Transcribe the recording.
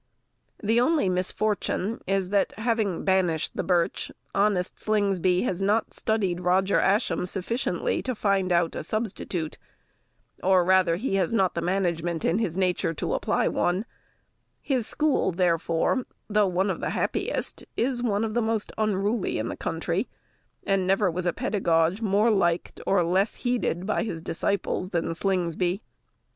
The only misfortune is, that having banished the birch, honest Slingsby has not studied Roger Ascham sufficiently to find out a substitute, or rather he has not the management in his nature to apply one; his school, therefore, though one of the happiest, is one of the most unruly in the country; and never was a pedagogue more liked, or less heeded, by his disciples than Slingsby.